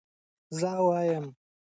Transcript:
زه وایم چې غریبان تل قرباني کېږي.